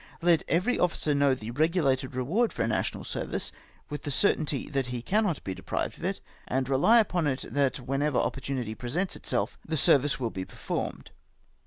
Let every officer know the regulated reward for a national service, with the certainty that he cannot be deprived of it, and rely upon it, that whenever opportunity presents itself, the service will be performed.